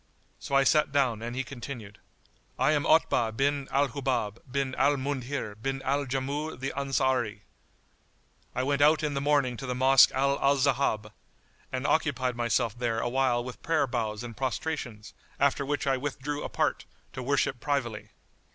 So I sat down and he continued, "I am Otbah bin al Hubáb bin al Mundhir bin al Jamúh the Ansári.[FN#81] I went out in the morning to the Mosque Al Ahzáb[FN#82] and occupied myself there awhile with prayer bows and prostrations, after which I withdrew apart, to worship privily.